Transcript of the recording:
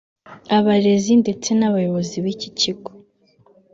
abarezi ndetse n’abayobozi b’iki kigo